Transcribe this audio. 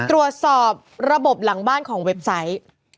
ตรวจสอบระบบหลังบ้านของเว็บไซต์